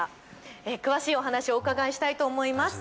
詳しいお話をお伺いしたいと思います。